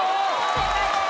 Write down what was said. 正解です。